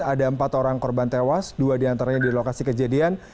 ada empat orang korban tewas dua diantaranya di lokasi kejadian